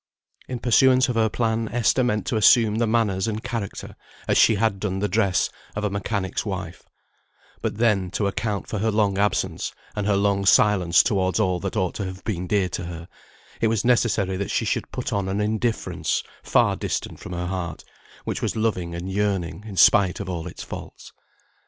In pursuance of her plan, Esther meant to assume the manners and character, as she had done the dress, of a mechanic's wife; but then, to account for her long absence, and her long silence towards all that ought to have been dear to her, it was necessary that she should put on an indifference far distant from her heart, which was loving and yearning, in spite of all its faults.